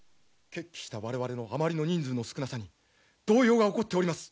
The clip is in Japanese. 決起した我々のあまりの人数の少なさに動揺が起こっております。